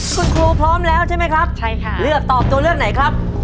คุณครูพร้อมแล้วใช่ไหมครับใช่ค่ะเลือกตอบตัวเลือกไหนครับ